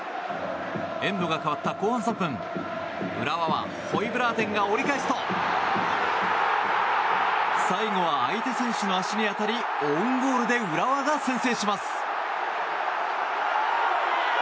エンドが変わった後半３分浦和はホイブラーテンが追い返すと最後は相手選手の足に当たりオウンゴールで浦和が先制します。